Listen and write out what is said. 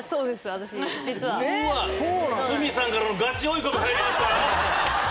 私実は鷲見さんからのガチ追い込み入りましたよ